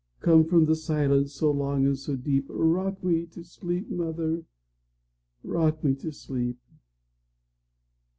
Come from the silence so long and so deep;—Rock me to sleep, mother,—rock me to sleep!